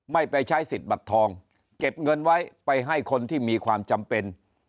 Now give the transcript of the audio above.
ไม่ไปใช้สิทธิ์บัตรทองเก็บเงินไว้ไปให้คนที่มีความจำเป็น